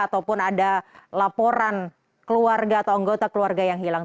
ataupun ada laporan keluarga atau anggota keluarga yang hilang